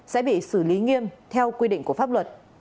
sẽ bị xử lý nghiêm theo quy định của pháp luật